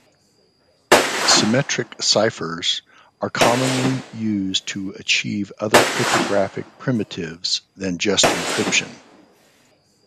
Symmetric ciphers are commonly used to achieve other cryptographic primitives than just encryption.